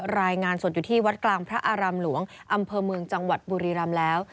รายงานสดอยู่ที่วัดกลางพระอารามหลวงอำเภอเมืองจังหวัดบุรีรำแล้ว